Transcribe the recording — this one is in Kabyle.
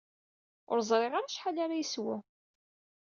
Ur ẓriɣ ara acḥal ara yeswu.